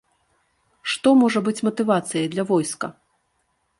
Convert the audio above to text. Што можа быць матывацыяй для войска?